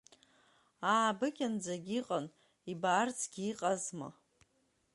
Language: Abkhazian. Аабыкьанӡагь иҟан, ибаарцгьы иҟазма!